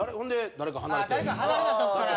誰か離れた所から。